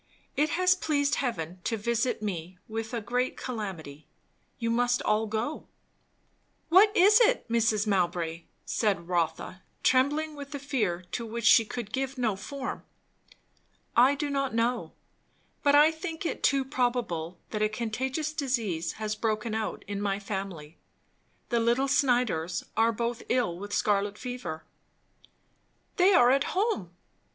It has pleased heaven to visit me with a great calamity. You must all go." "What is it, Mrs. Mowbray?" said Rotha, trembling with a fear to which she could give no form. "I do not know, but I think it too probable, that a contagious disease has broken out in my family. The little Snyders are both ill with scarlet fever." "They are at home."